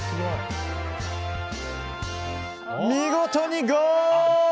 見事にゴール！